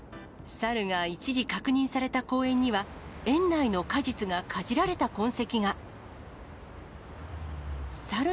サルが一時確認された公園には、園内の果実がかじられた痕跡が。